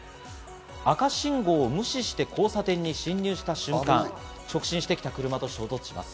赤信号を無視して交差点に進入した瞬間、直進してきた車と衝突します。